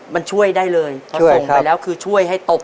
มันช่วยได้เลยช่วยครับเขาส่งไปแล้วคือช่วยให้ตบ